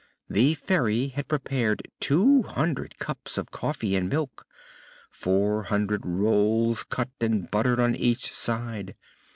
The Fairy had prepared two hundred cups of coffee and milk, and four hundred rolls cut and buttered on each side.